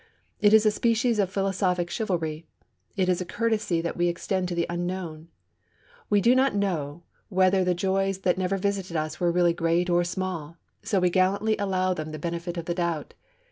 It is a species of philosophic chivalry. It is a courtesy that we extend to the unknown. We do not know whether the joys that never visited us were really great or small, so we gallantly allow them the benefit of the doubt.